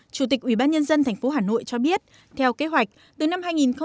chủ tịch ủy ban nhân dân tp hà nội cho biết theo kế hoạch từ năm hai nghìn một mươi bốn